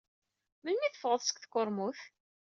Melmi ay d-teffɣed seg tkurmut?